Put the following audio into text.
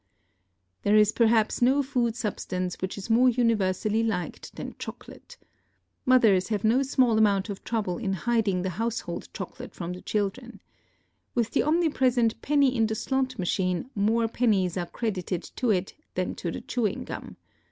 There is perhaps no food substance which is more universally liked than chocolate. Mothers have no small amount of trouble in hiding the household chocolate from the children. With the omnipresent penny in the slot machine more pennies are credited to it than to the chewing gum.